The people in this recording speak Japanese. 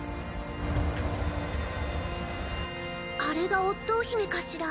あれがオットー姫かしら。